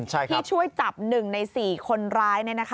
ที่ช่วยจับหนึ่งในสี่คนร้าย